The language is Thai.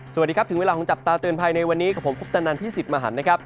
สวัสดีครับถึงเวลาของจับตาเตือนภัยในวันนี้กับผมคุปตนันพี่สิทธิ์มหันนะครับ